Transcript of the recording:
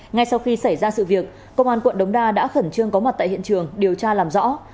ngay sau khi xảy ra sự việc công an quận đống đa đã khẩn trương có mặt tại hiện trường điều tra làm rõ